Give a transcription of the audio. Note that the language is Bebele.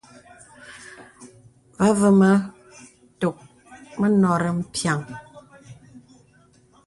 Vὰ àvə mə tòk mə nòrí mpiàŋ.